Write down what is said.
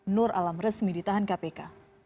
nur alam resmi ditahan kpk